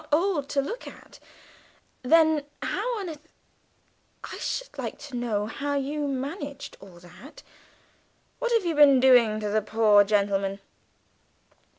"Not old to look at! Then how on earth I should like to know how you managed all that. What have you been doing to the poor gentleman?"